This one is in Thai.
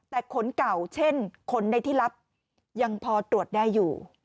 แต่ขนเก่าเช่นขนใดที่รับยังพอตรวจได้อยู่